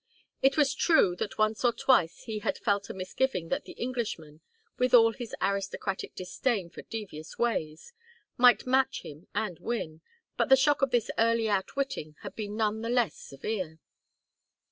It was true that once or twice he had felt a misgiving that the Englishman, with all his aristocratic disdain for devious ways, might match him and win, but the shock of this early outwitting had been none the less severe.